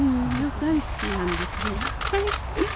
大好きなんですね。